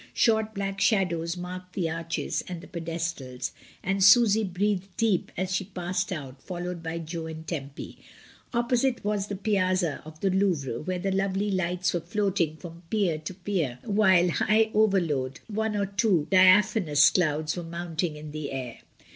Short black shadows marked the arches and the pedestals, and Susy breathed deep as she passed out, followed by Jo and Tempy. Opposite was the piazza of the Louvre, where the lovely lights were floating from pier to pier, while high overhead one or two diaphanous clouds were mounting in the air.